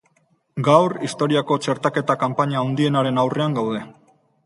Gaur, historiako txertaketa kanpaina handienaren aurrean gaude.